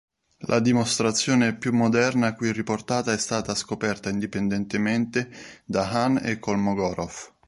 La dimostrazione più moderna, qui riportata, è stata scoperta indipendentemente da Hahn e Kolmogorov.